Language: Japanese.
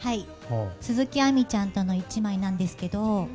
鈴木亜美ちゃんとの１枚なんですけど。